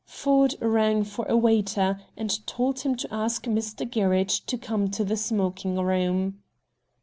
Ford rang for a waiter, and told him to ask Mr. Gerridge to come to the smoking room.